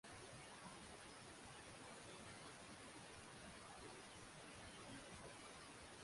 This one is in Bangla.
একটি ছোট প্রেসে কাজ করে।